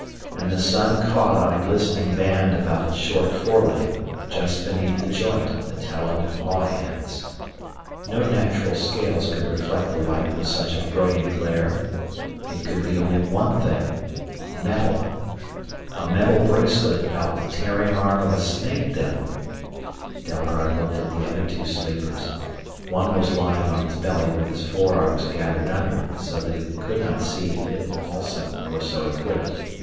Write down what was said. And the sun caught on a glistening band about its short foreleg just beneath the joint of the taloned pawhands. No natural scales could reflect the light with such a brilliant glare. It could be only one thing metal! A metal bracelet about the tearing arm of a snake devil! Dalgard looked at the other two sleepers. One was lying on its belly with its forearms gathered under it so that he could not see if it, also, were so equipped.